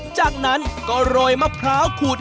จากนั้นก็โรยมะพร้าวขูด